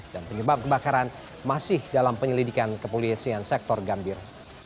dan penyebab kebakaran masih dalam penyelidikan kepolisian sektor gambir